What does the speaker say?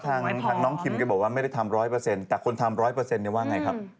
ทางน้องคิมก็บอกว่าไม่ได้ทำ๑๐๐แต่คนทำ๑๐๐เนี่ยว่าไงครับ